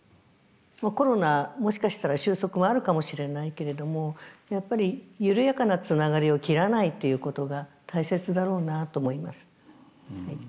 コロナもしかしたら収束もあるかもしれないけれどもやっぱりゆるやかなつながりを切らないっていうことが大切だろうなと思います。